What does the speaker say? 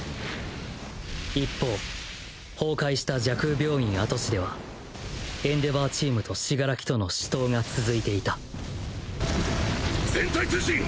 一方崩壊した蛇腔病院跡地ではエンデヴァーチームと死柄木との死闘が続いていた全体通信！